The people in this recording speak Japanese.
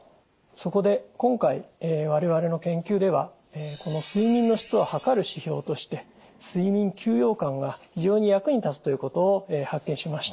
そこで今回我々の研究ではこの睡眠の質をはかる指標として睡眠休養感が非常に役に立つということを発見しました。